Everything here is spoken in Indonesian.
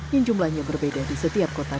yang jumlahnya berbeda di setiap kota dan kabupaten